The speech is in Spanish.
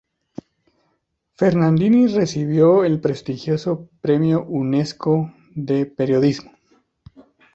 Fernandini recibió el prestigioso Premio Unesco de Periodismo.